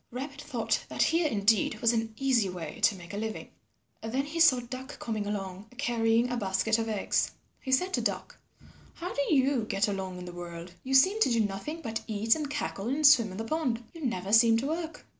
Rabbit thought that here indeed was an easy way to make a living. Then he saw Duck coming along carrying a basket of eggs. He said to Duck, "How do you get along in the world? You seem to do nothing but eat and cackle and swim in the pond. You never seem to work."